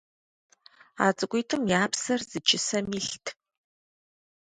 А цӏыкӏуитӏым я псэр зы чысэм илът.